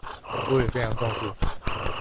我也非常重視